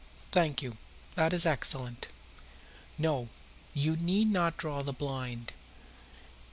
Thank you, that is excellent. No, you need not draw the blind.